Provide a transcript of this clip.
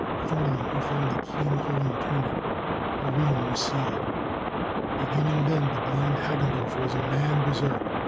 Fumbling, he found the key in the hole and turned it. The room was sealed. Beginning then, the blind Hagendorff was a man berserk.